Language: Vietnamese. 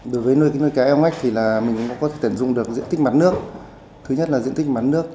đối với nuôi cá eo ngách thì mình có thể tận dụng được diện tích mặt nước thứ nhất là diện tích mặt nước